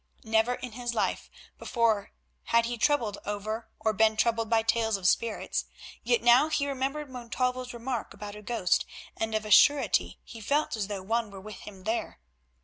Never in his life before had he troubled over or been troubled by tales of spirits, yet now he remembered Montalvo's remark about a ghost, and of a surety he felt as though one were with him there.